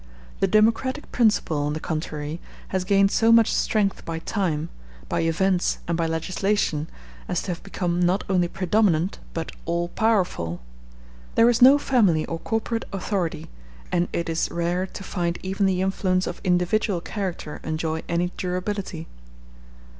The democratic principle, on the contrary, has gained so much strength by time, by events, and by legislation, as to have become not only predominant but all powerful. There is no family or corporate authority, and it is rare to find even the influence of individual character enjoy any durability.